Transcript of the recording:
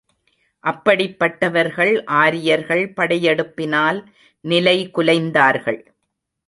அப்படிப்பட்டவர்கள் ஆரியர்கள் படையெடுப்பினால் நிலைகுலைந்தார்கள்.